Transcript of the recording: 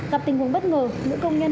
gặp tình huống bất ngờ nữ công nhân